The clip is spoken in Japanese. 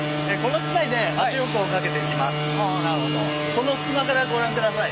この隙間からご覧ください。